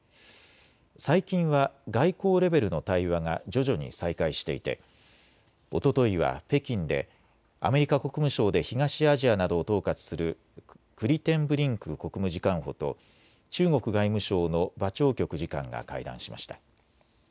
最近は外交レベルの対話が徐々に再開していておとといは北京でアメリカ国務省で東アジアなどを統括するクリテンブリンク国務次官補と中国外務省の馬朝旭次官が会談しました。